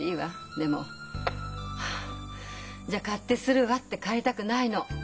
でも「じゃあ勝手するわ」って帰りたくないの。